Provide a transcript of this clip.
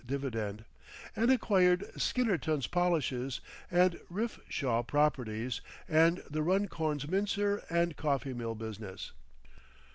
dividend) and acquired Skinnerton's polishes, the Riffleshaw properties and the Runcorn's mincer and coffee mill business.